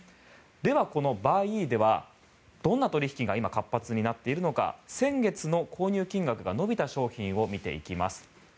では、このＢｕｙｅｅではどんな取引が今、活発になっているのか先月の購入金額が伸びた商品を見ていきます。